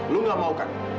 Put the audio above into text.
lo gak mau kan